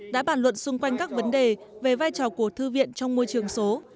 đã bàn luận xung quanh các vấn đề về vai trò của thư viện trong môi trường số